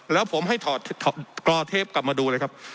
แล้วผมให้ถอดกรอเทปกลับมาดูเลยครับ